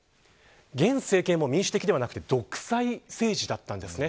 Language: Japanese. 現政権も民主的ではなくて独裁政治だったんですね。